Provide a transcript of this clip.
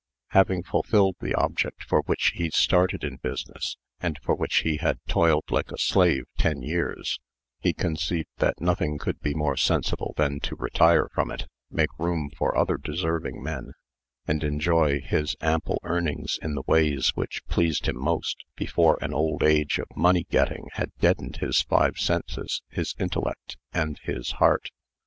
Having fulfilled the object for which he started in business, and for which he had toiled like a slave ten years, he conceived that nothing could be more sensible than to retire from it, make room for other deserving men, and enjoy his ample earnings in the ways which pleased him most, before an old age of money getting had deadened his five senses, his intellect, and his heart.